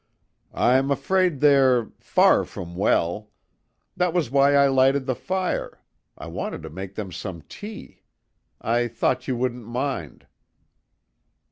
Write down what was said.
"I'm afraid they're far from well. That was why I lighted the fire; I wanted to make them some tea. I thought you wouldn't mind."